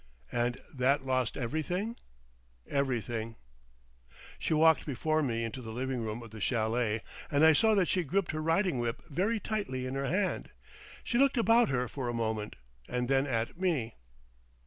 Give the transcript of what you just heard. "And that lost everything?" "Everything." She walked before me into the living room of the chalet, and I saw that she gripped her riding whip very tightly in her hand. She looked about her for a moment,—and then at me.